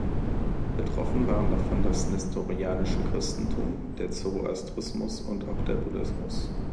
Betroffen waren davon das nestorianische Christentum, der Zoroastrismus und auch der Buddhismus.